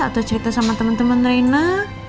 atau cerita sama temen temen rena